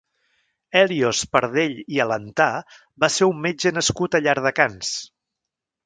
Hèlios Pardell i Alentà va ser un metge nascut a Llardecans.